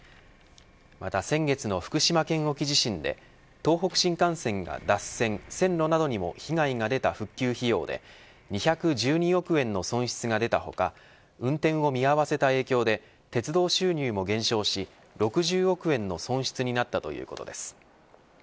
また先月の福島県沖地震で東北新幹線が脱線線路などにも被害が出た復旧費用で２１２億円の損失が出た他運転を見合わせた影響で鉄道収入も減少し６０億円の損失になったということです。